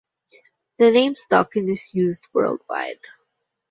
The name stuck and is used worldwide.